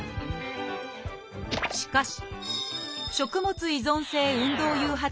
しかし食物依存性運動誘発